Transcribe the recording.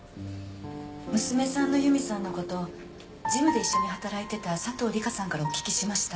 娘さんの由美さんのことジムで一緒に働いてた佐藤理香さんからお聞きしました。